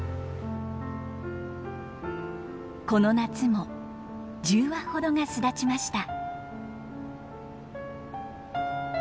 この夏も１０羽ほどが巣立ちました。